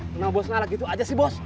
kenal bos ngalah gitu aja sih bos